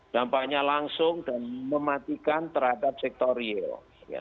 dampaknya langsung dan mematikan terhadap sektor real